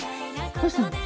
どうしたの？